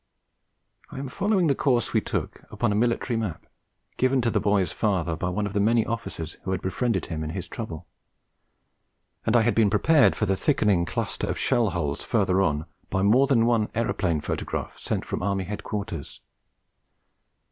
I am following the course we took upon a military map given to the boy's father by one of the many officers who had befriended him in his trouble; and I had been prepared for the thickening cluster of shell holes further on by more than one aeroplane photograph sent from Army Headquarters.